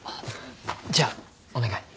じゃあお願い。